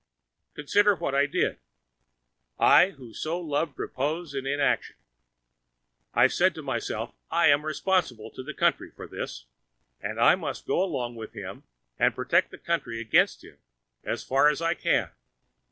Consider what I did—I who so loved repose and inaction. I said to myself, I am responsible to the country for this, and I must go along with him and protect the country against him as far as I can.